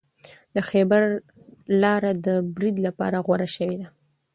د خیبر لاره د برید لپاره غوره شوې ده.